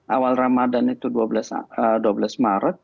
awal ramadhan itu dua belas maret